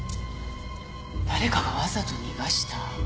誰かがわざと逃がした。